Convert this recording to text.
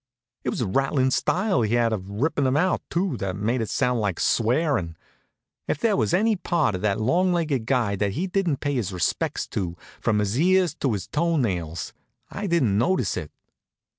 It was the rattlin' style he had of rippin' 'em out, too, that made it sound like swearin'. If there was any part of that long legged guy that he didn't pay his respects to, from his ears to his toe nails, I didn't notice it.